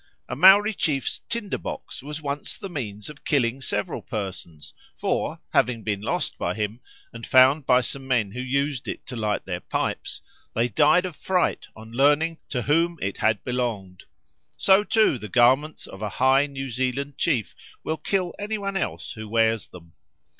A Maori chief's tinder box was once the means of killing several persons; for, having been lost by him, and found by some men who used it to light their pipes, they died of fright on learning to whom it had belonged. So, too, the garments of a high New Zealand chief will kill any one else who wears them.